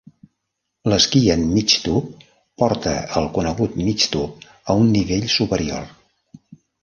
L'esquí en migtub porta el conegut migtub a un nivell superior.